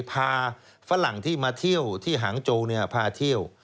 ฝรั่งที่มาเที่ยวที่หางโจพาเที่ยว